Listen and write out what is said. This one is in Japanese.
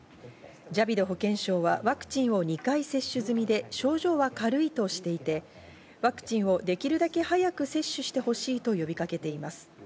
ジャビド保健相はワクチンを２回接種済みで、症状は軽いとしていてワクチンをできるだけ早く接種して欲しいと呼びかけています。